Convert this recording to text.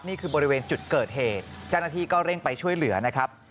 นี่คือบริเวณจุดเกิดเหตุเจ้าหน้าที่ก็เร่งไปช่วยเหลือนะครับ